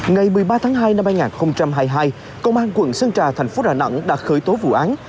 ngày một mươi ba tháng hai năm hai nghìn hai mươi hai công an quận sơn trà thành phố đà nẵng đã khởi tố vụ án